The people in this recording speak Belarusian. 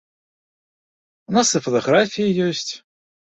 У нас і фатаграфіі ёсць.